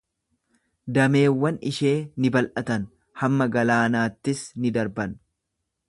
Dameewwan ishee ni babal'atan, hamma galaanaattis ni darban.